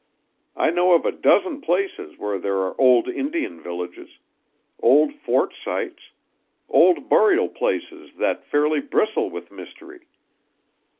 I know of a dozen places where there are old Indian villages; old fort sites; old burial places that fairly bristle with mystery!